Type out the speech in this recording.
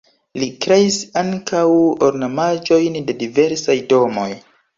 Li kreis ankaŭ ornamaĵojn de diversaj domoj.